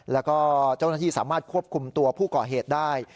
แล้วก็เจ้าหน้าที่สามารถควบคุมตัวผู้ก่อเหตุได้